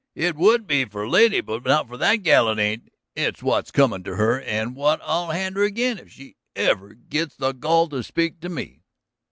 "It would be for a lady, but for that girl it ain't. It's what's comin' to her, and what I'll hand her ag'in, if she ever's got the gall to speak to me."